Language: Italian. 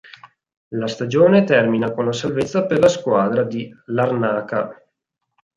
La stagione termina con la salvezza per la squadra di Larnaca.